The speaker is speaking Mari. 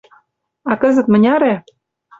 — А кызыт мыняре?